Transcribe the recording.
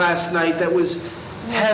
yang sangat berharga